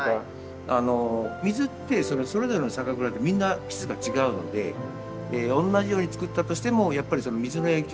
あの水ってそれぞれの酒蔵でみんな質が違うので同じように造ったとしてもやっぱり水の影響を非常に大きく受けるんですね。